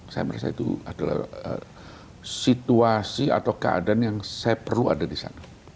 saya merasa itu adalah situasi atau keadaan yang saya perlu ada di sana